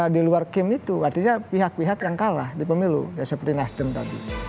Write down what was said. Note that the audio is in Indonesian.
di luar kim itu artinya pihak pihak yang kalah di pemilu ya seperti nasdem tadi